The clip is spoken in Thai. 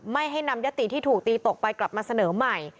ไม่ให้นำยติที่ถูกตีตกไปกลับมาเสนอใหม่